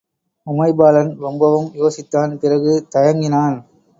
உமைபாலன் ரொம்பவும் யோசித்தான் பிறகு தயங்கினான்.